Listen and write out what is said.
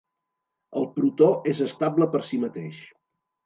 El protó és estable per si mateix.